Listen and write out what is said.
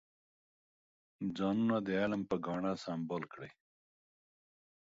ځانونه د علم په ګاڼه سنبال کړئ.